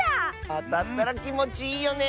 あたったらきもちいいよね！